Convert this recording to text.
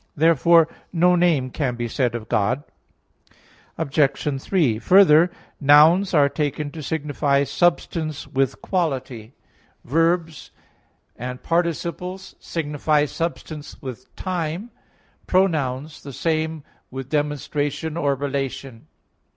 Therefore no name can be said of God. Obj. 3: Further, nouns are taken to signify substance with quality; verbs and participles signify substance with time; pronouns the same with demonstration or relation.